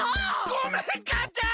ごめんかあちゃん！